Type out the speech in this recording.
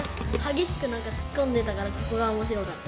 激しく突っ込んでたからそこが面白かった。